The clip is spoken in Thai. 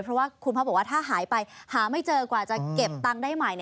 เพราะว่าคุณพ่อบอกว่าถ้าหายไปหาไม่เจอกว่าจะเก็บตังค์ได้ใหม่